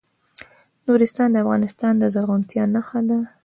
نورستان د افغانستان د زرغونتیا نښه ده.